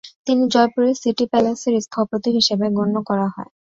তিনি জয়পুরের সিটি প্যালেসের স্থপতি হিসেবে গণ্য করা হয়।